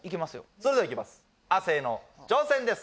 それではいきます